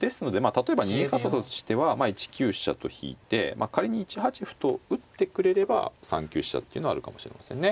例えば逃げ方としては１九飛車と引いて仮に１八歩と打ってくれれば３九飛車っていうのはあるかもしれませんね。